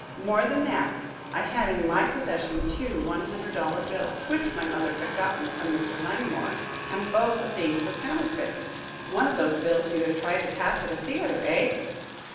More than that, I had in my possession two one hundred dollar bills, which my mother had gotten from Mr. Langmore, and both of these were counterfeits." "One of those bills you had tried to pass at a theatre, eh?"